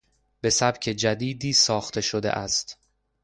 به سبک جدیدی ساخته شده است.